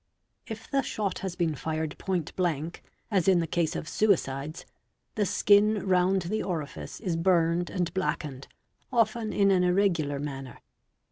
If the shot has been fired point blank, as in the case of suicides, GUN SHOT WOUNDS 635 the skin round the orifice is burned and blackened, often in an irregular _ manner.